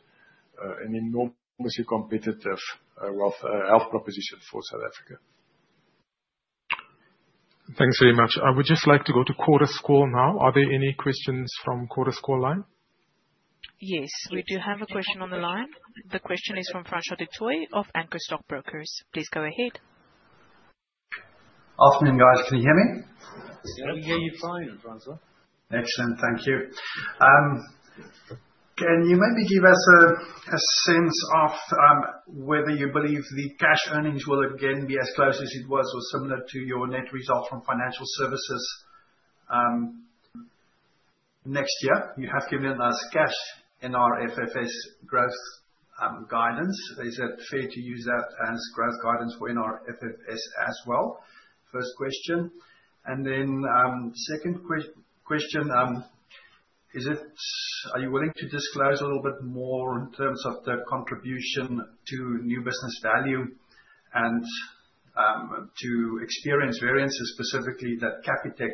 an enormously competitive health proposition for South Africa. Thanks very much. I would just like to go to Chorus Call now are there any questions from Chorus Call? Yes, we do have a question on the line. The question is from Francois du Toit of Anchor Stockbrokers. Please go ahead. Afternoon, guys. Can you hear me? Yeah, you're fine, Francois. Excellent. Thank you. Can you maybe give us a sense of whether you believe the cash earnings will again be as close as it was or similar to your net result from financial services next year? You have given us cash NRFFS growth guidance. Is it fair to use that as growth guidance for NRFFS as well? First question. And then second question, are you willing to disclose a little bit more in terms of the contribution to new business value and to experience variances, specifically that Capitec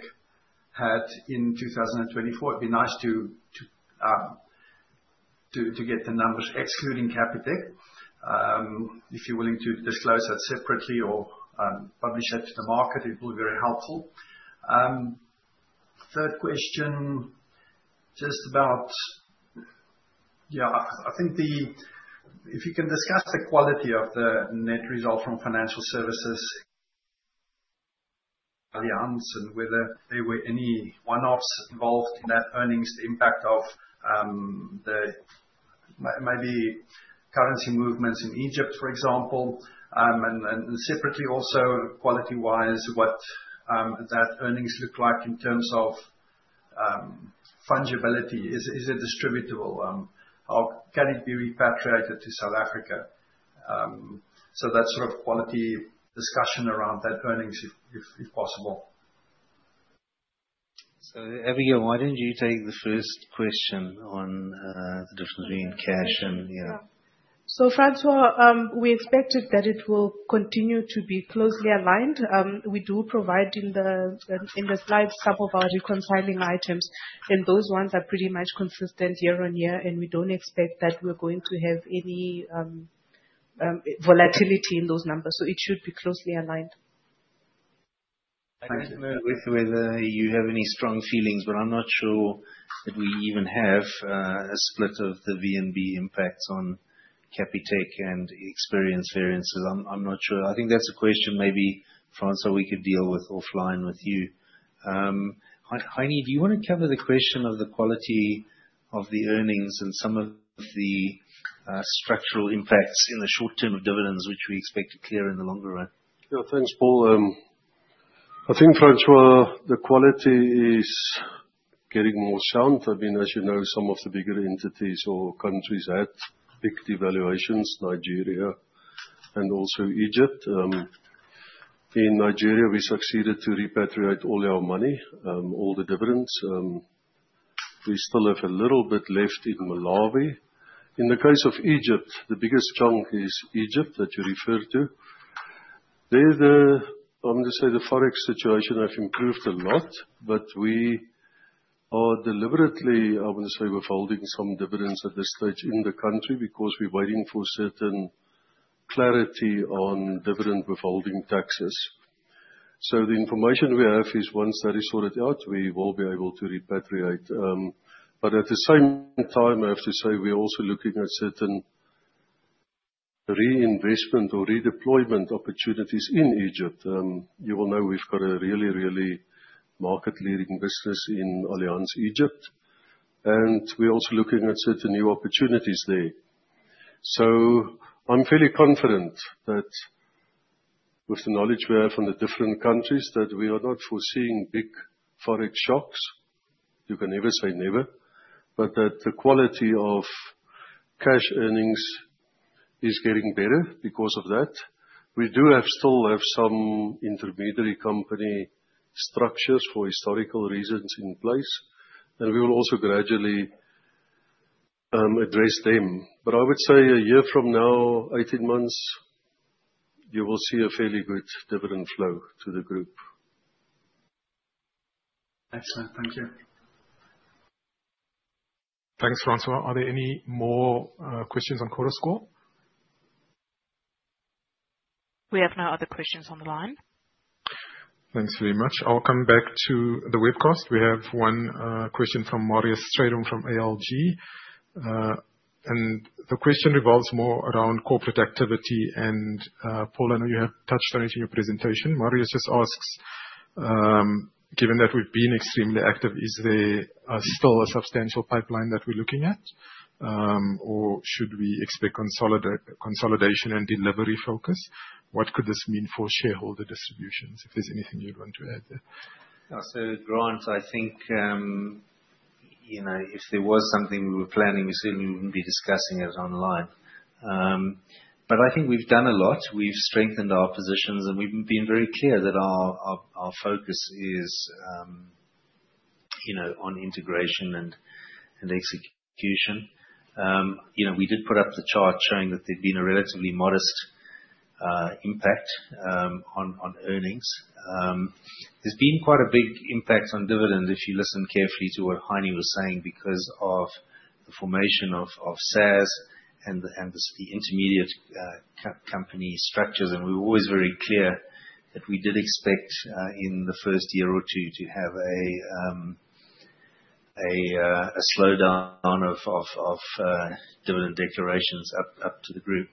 had in 2024? It'd be nice to get the numbers excluding Capitec. If you're willing to disclose that separately or publish it to the market, it will be very helpful. Third question, just about, yeah, I think if you can discuss the quality of the net result from financial services, Allianz, and whether there were any one-offs involved in that earnings, the impact of the maybe currency movements in Egypt, for example. And separately also, quality-wise, what that earnings look like in terms of fungibility. Is it distributable? Can it be repatriated to South Africa? So that sort of quality discussion around that earnings, if possible. Abigail, why didn't you take the first question on the difference between cash and yeah? So Francois, we expected that it will continue to be closely aligned. We do provide in the slides some of our reconciling items. And those ones are pretty much consistent year on year and we don't expect that we're going to have any volatility in those numbers. So it should be closely aligned. Thanks. Whether you have any strong feelings, but I'm not sure that we even have a split of the VNB impacts on Capitec and experience variances. I'm not sure. I think that's a question maybe, Francois, we could deal with offline with you. Heinie, do you want to cover the question of the quality of the earnings and some of the structural impacts in the short term of dividends, which we expect to clear in the longer run? Yeah, thanks, Paul. I think, Francois, the quality is getting more sound. I mean, as you know, some of the bigger entities or countries had big devaluations, Nigeria and also Egypt. In Nigeria, we succeeded to repatriate all our money, all the dividends. We still have a little bit left in Malawi. In the case of Egypt, the biggest chunk is Egypt that you referred to. I'm going to say the Forex situation has improved a lot, but we are deliberately, I would say, withholding some dividends at this stage in the country because we're waiting for certain clarity on dividend withholding taxes. So the information we have is once that is sorted out, we will be able to repatriate. But at the same time, I have to say we're also looking at certain reinvestment or redeployment opportunities in Egypt. You will know we've got a really, really market-leading business in Allianz Egypt. And we're also looking at certain new opportunities there. So I'm fairly confident that with the knowledge we have from the different countries, that we are not foreseeing big Forex shocks. You can never say never, but that the quality of cash earnings is getting better because of that. We do still have some intermediary company structures for historical reasons in place. And we will also gradually address them. But I would say a year from now, 18 months, you will see a fairly good dividend flow to the group. Excellent. Thank you. Thanks, Francois. Are there any more questions on Chorus Call? We have no other questions on the line. Thanks very much. I'll come back to the webcast. We have one question from Marius Strydom from ALG. And the question revolves more around Corporate activity. And Paul, I know you have touched on it in your presentation. Marius just asks, given that we've been extremely active, is there still a substantial pipeline that we're looking at? Or should we expect consolidation and delivery focus? What could this mean for shareholder distributions? If there's anything you'd want to add there. So Grant, I think if there was something we were planning, we certainly wouldn't be discussing it online. But I think we've done a lot. We've strengthened our positions. And we've been very clear that our focus is on integration and execution. We did put up the chart showing that there'd been a relatively modest impact on earnings. There's been quite a big impact on dividends if you listen carefully to what Heinie was saying because of the formation of SanlamAllianz and the intermediate company structures. And we were always very clear that we did expect in the first year or two to have a slowdown of dividend declarations up to the Group.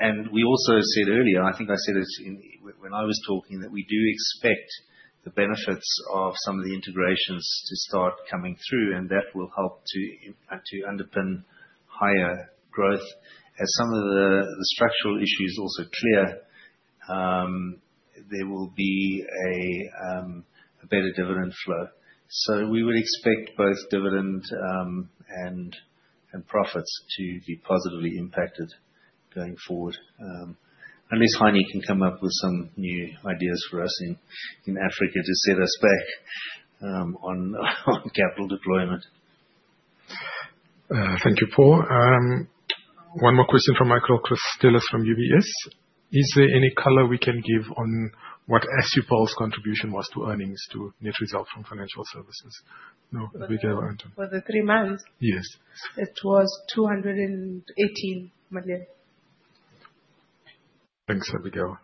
And we also said earlier, I think I said it when I was talking, that we do expect the benefits of some of the integrations to start coming through. And that will help to underpin higher growth. As some of the structural issues also clear, there will be a better dividend flow. So we would expect both dividend and profits to be positively impacted going forward, unless Heinie can come up with some new ideas for us in Africa to set us back on capital deployment. Thank you, Paul. One more question from Michael Christelis from UBS. Is there any color we can give on what Assupol's contribution was to earnings to net result from financial services? No, Abigail or Anton? For the three months? Yes. It was 218 million. Thanks, Abigail.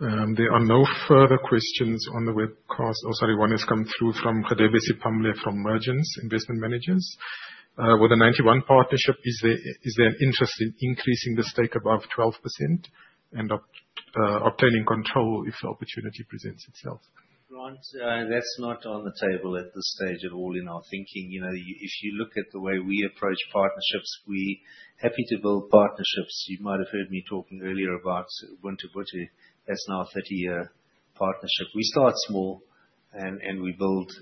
There are no further questions on the webcast. Oh, sorry, one has come through from Radebe Sipamla from Mergence Investment Managers. With the Ninety One partnership, is there an interest in increasing the stake above 12% and obtaining control if the opportunity presents itself? Grant, that's not on the table at this stage at all in our thinking. If you look at the way we approach partnerships, we're happy to build partnerships. You might have heard me talking earlier about Ubuntu-Botho. That's now a 30-year partnership. We start small and we build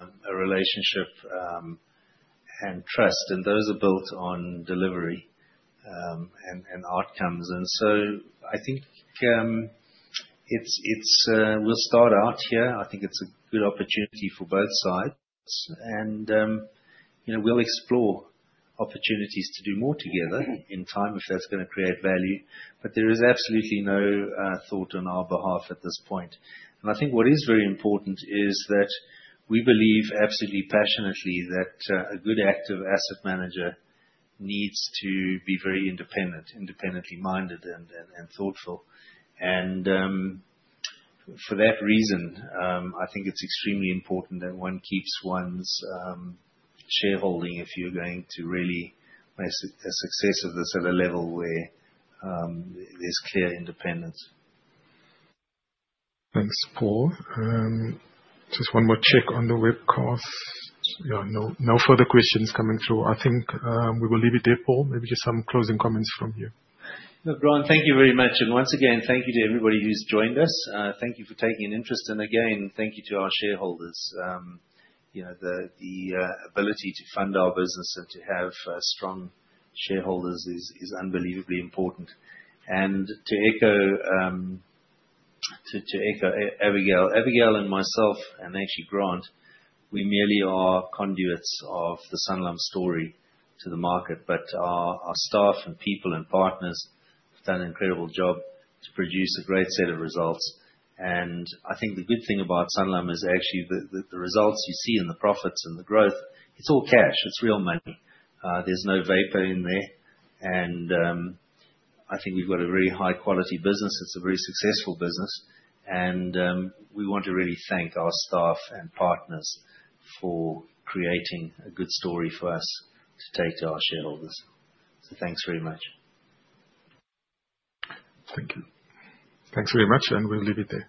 a relationship and trust. And those are built on delivery and outcomes. And so I think we'll start out here. I think it's a good opportunity for both sides. And we'll explore opportunities to do more together in time if that's going to create value. But there is absolutely no thought on our behalf at this point. And I think what is very important is that we believe absolutely passionately that a good active asset manager needs to be very independent, independently minded, and thoughtful. And for that reason, I think it's extremely important that one keeps one's shareholding if you're going to really make a success of this at a level where there's clear independence. Thanks, Paul. Just one more check on the webcast. Yeah, no further questions coming through. I think we will leave it there, Paul. Maybe just some closing comments from you. Look, Grant, thank you very much. And once again, thank you to everybody who's joined us. Thank you for taking an interest. And again, thank you to our shareholders. The ability to fund our business and to have strong shareholders is unbelievably important. And to echo Abigail, Abigail and myself, and actually Grant, we merely are conduits of the Sanlam story to the market. But our staff and people and partners have done an incredible job to produce a great set of results. And I think the good thing about Sanlam is actually the results you see in the profits and the growth, it's all cash. It's real money. There's no vapor in there. And I think we've got a very high-quality business. It's a very successful business. And we want to really thank our staff and partners for creating a good story for us to take to our shareholders. So thanks very much. Thank you. Thanks very much. And we'll leave it there.